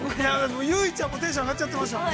◆結実ちゃんも、テンション上がっちゃってましたもんね。